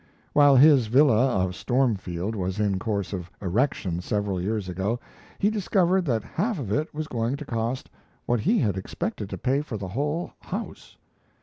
While his villa of "Stormfield" was in course of erection several years ago, he discovered that half of it was going to cost what he had expected to pay for the whole house.